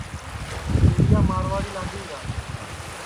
چیلِیا مارواڑی لادؔی گا